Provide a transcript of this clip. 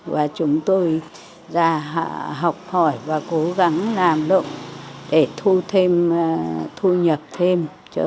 và chúng tôi ra học hỏi và cố gắng làm động để thu nhập thêm